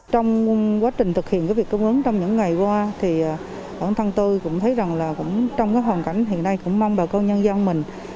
trong quá trình thực hiện cái việc cung ứng trong những ngày qua thì bản thân tôi cũng thấy rằng là cũng trong cái hoàn cảnh hiện nay cũng mong bà con nhân dân mình